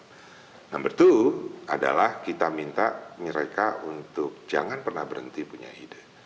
yang betul adalah kita minta mereka untuk jangan pernah berhenti punya ide